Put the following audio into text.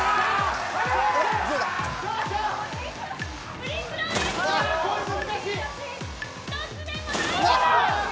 フリースローです。